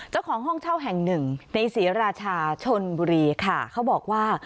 เจ้าของห้องเช่าแห่งหนึ่งในศรีราชาชนบุรีค่ะเขาบอกว่า